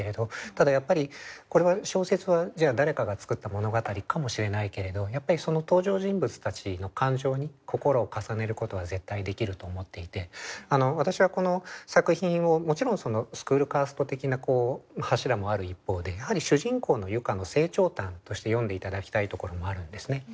ただやっぱり小説はじゃあ誰かが作った物語かもしれないけれど登場人物たちの感情に心を重ねることは絶対できると思っていて私はこの作品をもちろんスクールカースト的な柱もある一方でやはり主人公の結佳の成長譚として読んで頂きたいところもあるんですね。